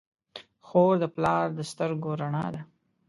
خور د پلار د سترګو رڼا ده.